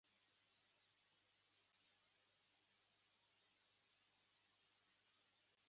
ariko mubinyemereye nababwira uko gahunda